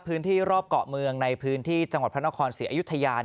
รอบเกาะเมืองในพื้นที่จังหวัดพระนครศรีอยุธยา